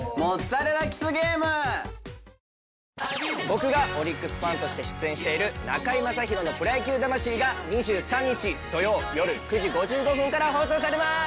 僕がオリックスファンとして出演している『中居正広のプロ野球魂』が２３日土曜よる９時５５分から放送されます！